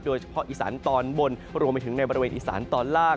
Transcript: โดยเฉพาะอีสานตอนบนรวมไปถึงในบริเวณอีสานตอนล่าง